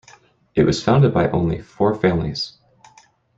It was founded by only four families.